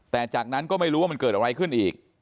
แต่จากนั้นก็ไม่รู้ว่ามันเกิดอะไรขึ้นอีก